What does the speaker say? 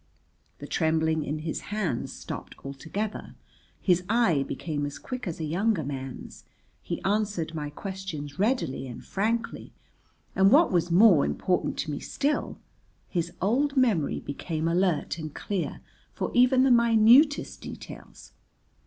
The trembling in his hands stopped altogether, his eye became as quick as a younger man's, he answered my questions readily and frankly, and, what was more important to me still, his old memory became alert and clear for even minutest details.